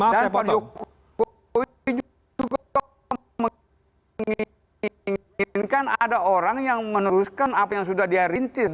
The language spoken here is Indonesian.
dan pak jokowi juga inginkan ada orang yang meneruskan apa yang sudah dia rintis dua ribu dua puluh empat